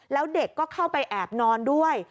แล้วเด็กก็เข้าไปแอบนอนด้วย